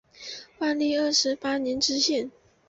万历二十八年知县。